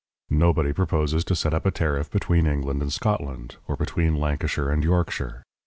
Nobody proposes to set up a tariff between England and Scotland, or between Lancashire and Yorkshire.